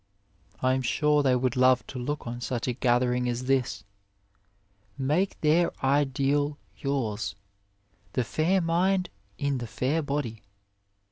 I am sure they would love to look on such a gathering as this. Make their ideal yours the fair mind in the fair body.